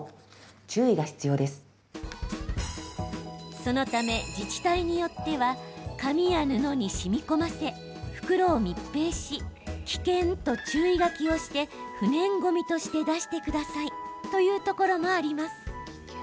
そのため、自治体によっては紙や布にしみこませ、袋を密閉し危険と注意書きをして不燃ごみとして出してくださいというところもあります。